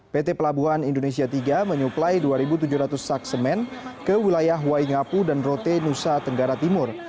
pt pelabuhan indonesia tiga menyuplai dua tujuh ratus saksemen ke wilayah huaingapu dan rote nusa tenggara timur